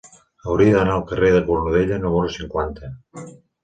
Hauria d'anar al carrer de Cornudella número cinquanta.